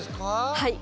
はい。